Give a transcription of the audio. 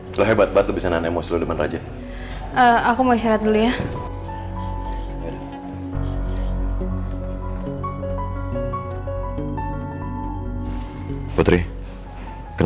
jadi barang paham perubahan